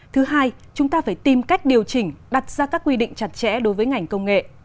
thứ hai chúng ta phải tìm cách điều chỉnh đặt ra các quy định chặt chẽ đối với ngành công nghệ